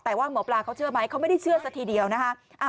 แต่ว่าหมอปลาเขาเชื่อไหมเขาไม่ได้เชื่อสักทีเดียวนะคะ